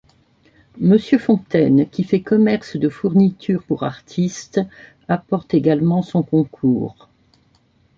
Monsieur Fontaine, qui fait commerce de fournitures pour artistes, apporte également son concours.